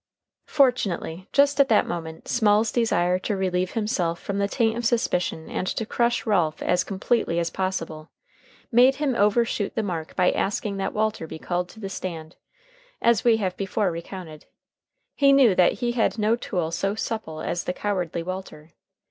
Fortunately, just at that moment Small's desire to relieve himself from the taint of suspicion and to crush Ralph as completely as possible, made him overshoot the mark by asking that Walter be called to the stand, as we have before recounted. He knew that he had no tool so supple as the cowardly Walter.